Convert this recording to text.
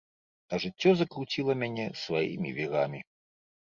А жыццё закруціла мяне сваімі вірамі.